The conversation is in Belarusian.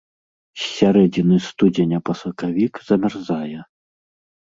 З сярэдзіны студзеня па сакавік замярзае.